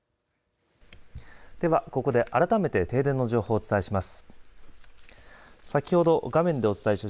ではここで改めて停電の情報をお伝えします。